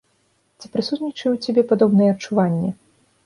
Ці прысутнічае ў цябе падобнае адчуванне?